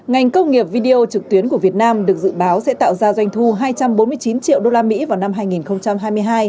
ngành công nghiệp video trực tuyến của việt nam được dự báo sẽ tạo ra doanh thu hai trăm bốn mươi chín triệu usd vào năm hai nghìn hai mươi hai